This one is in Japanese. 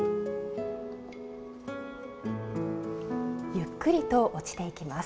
ゆっくりと落ちていきます。